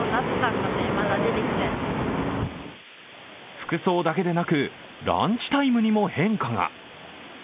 服装だけでなく、ランチタイムにも変化が。